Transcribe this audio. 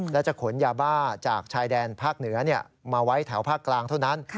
และจะขนยาบ้าจากชายแดนภาคเหนือมาไว้แถวภาคกลางเท่านั้น